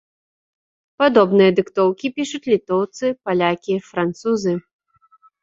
Падобныя дыктоўкі пішуць літоўцы, палякі, французы.